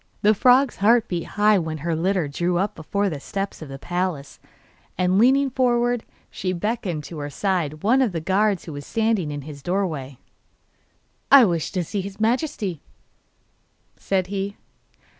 The frog's heart beat high when her litter drew up before the steps of the palace, and leaning forward she beckoned to her side one of the guards who were standing in his doorway. 'I wish to see his Majesty,' said he.